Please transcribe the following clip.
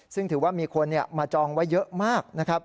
ซึ่งถือว่ามีคนมาจองไว้เยอะมาก